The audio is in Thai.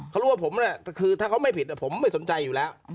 เขารู้ว่าผมคือถ้าเขาไม่ผิดผมไม่สนใจอยู่แล้ว